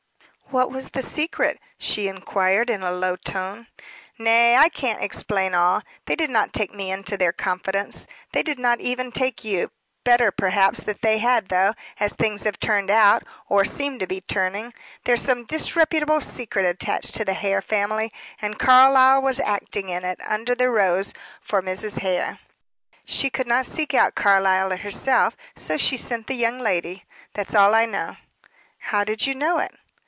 "What was the secret?" she inquired, in a low tone. "Nay, I can't explain all; they did not take me into their confidence. They did not even take you; better, perhaps that they had though, as things have turned out, or seem to be turning. There's some disreputable secret attaching to the Hare family, and Carlyle was acting in it, under the rose, for Mrs. Hare. She could not seek out Carlyle herself, so she sent the young lady. That's all I know." "How did you know it?"